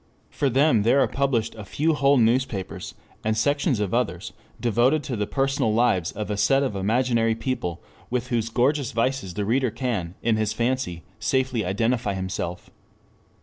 For them there are published a few whole newspapers, and sections of others, devoted to the personal lives of a set of imaginary people, with whose gorgeous vices the reader can in his fancy safely identify himself.